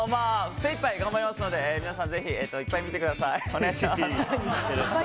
精いっぱい頑張りますので皆さんぜひいっぱい見てください！